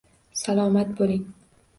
Salomat bo'ling